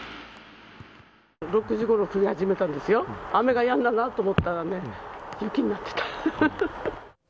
６時ごろ降り始めたんですよ、雨がやんだなと思ったらね、雪になってた。